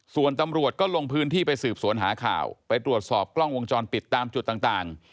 ส่วนตำรวจก็ลงพื้นที่ไปสืบสวนหาข่าวไปตรวจสอบกล้องวงจรปิดตามจุดต่าง